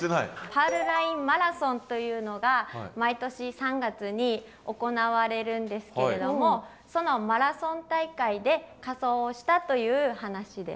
パールラインマラソンというのが毎年３月に行われるんですけれどもそのマラソン大会で仮装をしたという話です。